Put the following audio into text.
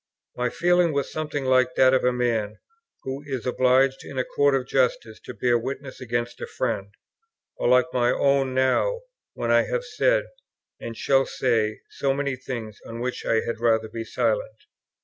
My feeling was something like that of a man, who is obliged in a court of justice to bear witness against a friend; or like my own now, when I have said, and shall say, so many things on which I had rather be silent.